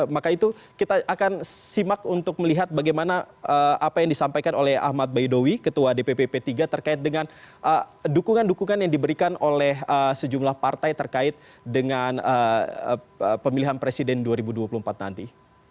maka itu kita akan simak untuk melihat bagaimana apa yang disampaikan oleh ahmad bayudowi ketua dpp p tiga terkait dengan dukungan dukungan yang diberikan oleh sejumlah partai terkait dengan pemilihan presiden dua ribu dua puluh empat nanti